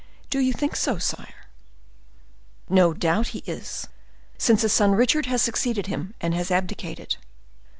"Do you think so, sire?" "No doubt he is, since his son Richard has succeeded him, and has abdicated."